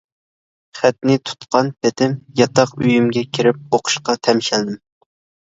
خەتنى تۇتقان پېتىم ياتاق ئۆيۈمگە كىرىپ ئوقۇشقا تەمشەلدىم.